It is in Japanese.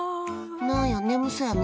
何や、眠そうやな。